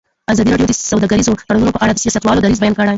ازادي راډیو د سوداګریز تړونونه په اړه د سیاستوالو دریځ بیان کړی.